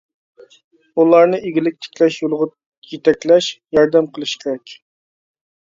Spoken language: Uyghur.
ئۇلارنى ئىگىلىك تىكلەش يولىغا يېتەكلەش، ياردەم قىلىش كېرەك.